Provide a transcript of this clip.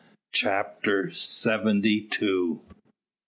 CHAPTER SEVENTY TWO.